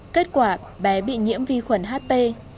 kết quả bé bị nhiễm vi khuẩn hp